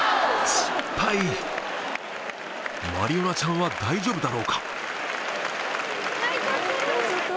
失敗マリオナちゃんは大丈夫だろうか？